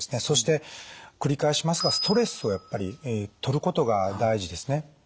そして繰り返しますがストレスをやっぱり取ることが大事ですね。